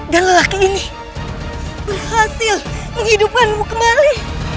dan lelaki ini berhasil menghidupkanmu kembali